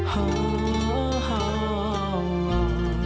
โห่โห่โหโห